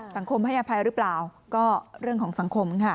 สังคมให้อภัยหรือเปล่าก็เรื่องของสังคมค่ะ